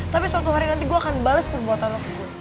tapi suatu hari nanti gue akan bales perbuatan lo ke gue